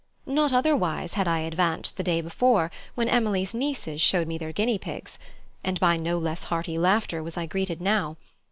Not otherwise had I advanced the day before, when Emily's nieces showed me their guinea pigs. And by no less hearty laughter was I greeted now.